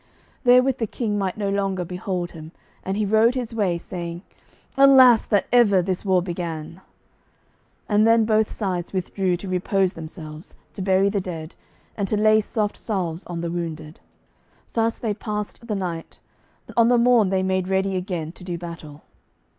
Therewith the King might no longer behold him, and he rode his way, saying, "Alas that ever this war began." And then both sides withdrew to repose themselves, to bury the dead, and to lay soft salves on the wounded. Thus they passed the night, but on the morn they made ready again to do battle.